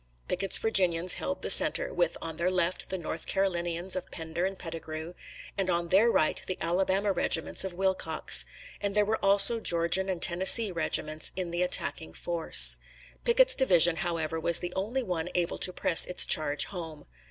Pickett's Virginians held the center, with on their left the North Carolinians of Pender and Pettigrew, and on their right the Alabama regiments of Wilcox; and there were also Georgian and Tennessee regiments in the attacking force. Pickett's division, however, was the only one able to press its charge home.